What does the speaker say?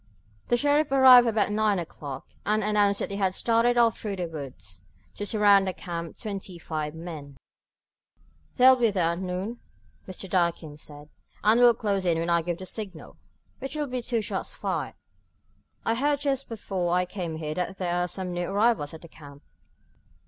The sheriff arrived about nine o'clock, and announced that he had started off through the woods, to surround the camp, twenty five men. "They'll be there at noon," Mr. Durkin said, "and will close in when I give the signal, which will be two shots fired. I heard just before I came here that there are some new arrivals at the camp."